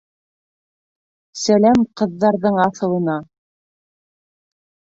Сәләм ҡыҙҙарҙың аҫылына!